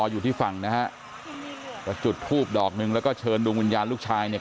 อยู่ที่ฝั่งนะฮะก็จุดทูบดอกหนึ่งแล้วก็เชิญดวงวิญญาณลูกชายเนี่ย